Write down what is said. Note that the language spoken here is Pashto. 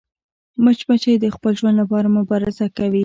مچمچۍ د خپل ژوند لپاره مبارزه کوي